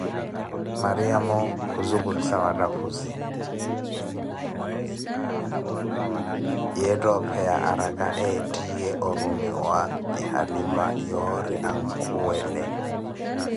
Mariamo khu zukhulissa mathakhuzi khu yata opeya arakah ettiye orrumiwa ti halima yori ankhuwele